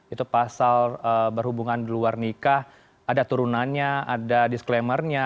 itu pasal berhubungan di luar nikah ada turunannya ada disclaimer nya